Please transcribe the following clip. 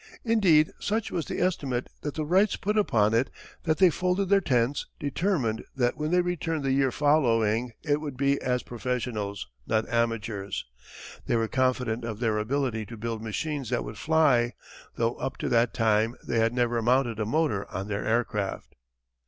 Indeed such was the estimate that the Wrights put upon it that they folded their tents determined that when they returned the year following it would be as professionals, not amateurs. They were confident of their ability to build machines that would fly, though up to that time they had never mounted a motor on their aircraft.